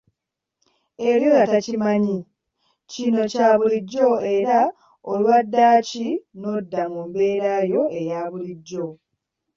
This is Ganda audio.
Eri oyo atakimanyi , kino kya bulijjo era olwa ddaaki n'odda mu mbeera yo eya bulijjo.